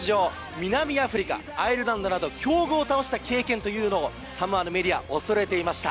南アフリカ、アイルランドなど強豪を倒した経験というのをサモアのメディアが恐れていました。